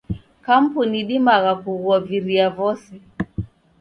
Kampuni idimagha kugua viria vose.